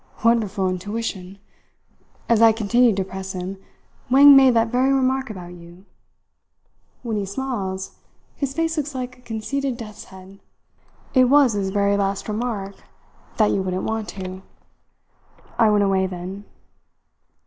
"Wonderful intuition! As I continued to press him, Wang made that very remark about you. When he smiles, his face looks like a conceited death's head. It was his very last remark that you wouldn't want to. I went away then."